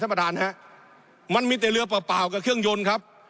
ประธานฮะมันมีแต่เรือเปล่าเปล่ากับเครื่องยนต์ครับ